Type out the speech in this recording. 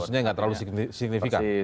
maksudnya nggak terlalu signifikan